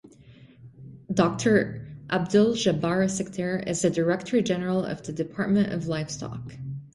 Doctor Abdul Jabbar Sikder is the Director General of the Department of Livestock.